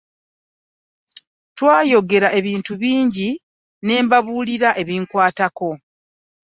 Twayogera ebintu bingi ne mmubuulira ebinkwatako.